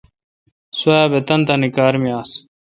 سواب تان تان کار می آس